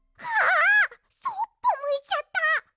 あそっぽむいちゃった！